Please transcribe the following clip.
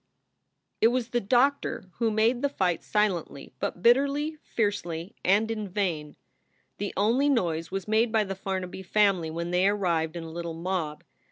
It was the doctor who made the fight silently but bitterly, fiercely and in vain. The only noise was made by the Farnaby family when they arrived in a little mob.